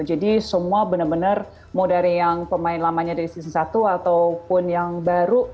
semua bener bener mau dari yang pemain lamanya dari sisi satu ataupun yang baru